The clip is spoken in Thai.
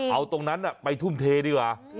เอาตรงนั้นไปทุ่มเทดีกว่า